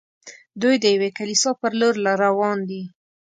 دوی د یوې کلیسا پر لور روان دي.